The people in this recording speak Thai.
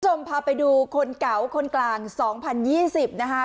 คุณผู้ชมพาไปดูคนเก่าคนกลาง๒๐๒๐นะฮะ